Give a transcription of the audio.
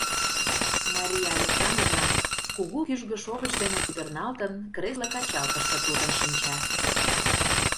Мария Александровна, кугу кӱжгӧ шовыч дене пӱтырналтын, кресло-качалкыште туртын шинча.